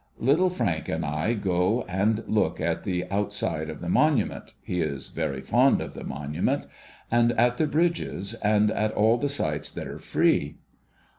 Little Frank and I go and look at the outside of the Monument •— he is very fond of the Monument — and at the Bridges, and at all the sights that are free.